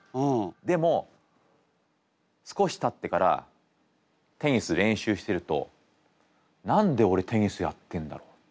でも少したってからテニス練習してると何でオレテニスやってんだろう。